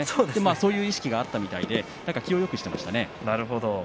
そういう意識があったようで気をよくしていましたね。